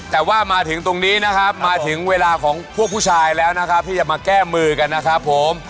แต่ว่ามาถึงตรงนี้นะครับมาถึงเวลาของพวกผู้ชายแล้วนะครับที่จะมาแก้มือกันนะครับผม